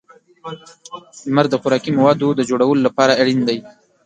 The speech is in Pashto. • لمر د خوراکي موادو د جوړولو لپاره اړین دی.